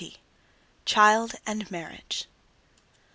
XX. CHILD AND MARRIAGE.